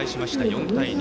４対２。